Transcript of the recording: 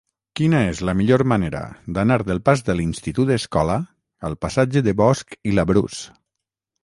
Quina és la millor manera d'anar del pas de l'Institut Escola al passatge de Bosch i Labrús?